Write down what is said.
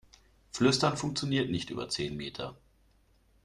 Flüstern funktioniert nicht über zehn Meter.